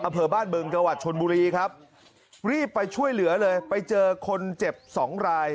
อำเภอบ้านบึงจังหวัดชนบุรีครับรีบไปช่วยเหลือเลยไปเจอคนเจ็บสองราย